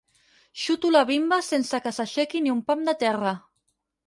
Xuto la bimba sense que s'aixequi ni un pam de terra.